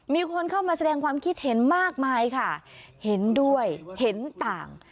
มีคนเข้ามาแสดงความคิดเห็นมากมายค่ะเห็นด้วยเห็นต่าง